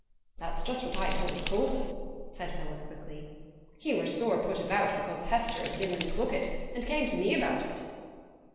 'That's just what I told Coulson!' said Philip, quickly. 'He were sore put about because Hester had gi'en him the bucket, and came to me about it.'